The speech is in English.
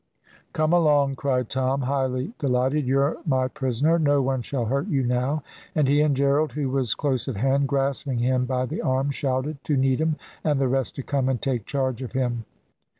"Come along," cried Tom, highly delighted, "you're my prisoner; no one shall hurt you now;" and he and Gerald, who was close at hand, grasping him by the arm, shouted to Needham and the rest to come and take charge of him.